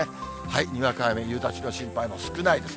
にわか雨、夕立の心配も少ないです。